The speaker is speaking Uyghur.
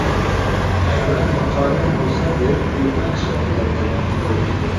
خەۋەر ماقالەم بولسا بېرىپ قويۇپلا چىقىپ كېتەتتىم.